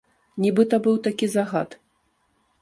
Нібыта быў такі загад.